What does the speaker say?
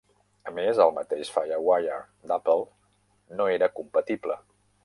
A més, el mateix FireWire d'Apple no era compatible.